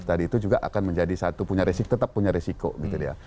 tadi itu juga akan menjadi satu punya resiko tetap punya resiko gitu ya